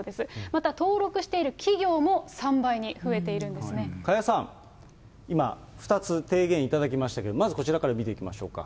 また登録している企業も３倍に増加谷さん、今、２つ提言いただきましたけれども、まずこちらから見ていきましょうか。